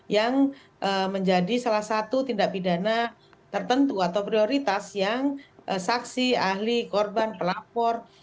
yang menjadi salah satu tindak pidana tertentu atau prioritas yang saksi ahli korban pelapor